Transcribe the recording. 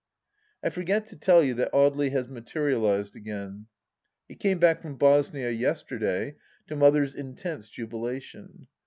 ... I forget to tell you that Audely has materialized again. He came back from Bosnia yesterday, to Mother's intense jubilation.